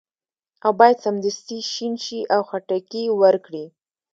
او باید سمدستي شین شي او خټکي ورکړي.